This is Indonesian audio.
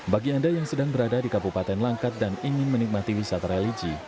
bagi anda yang sedang berada di kabupaten langkat dan ingin menikmati wisata religi